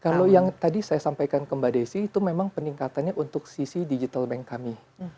kalau yang tadi saya sampaikan ke mbak desi itu memang peningkatannya untuk sisi digital bank kami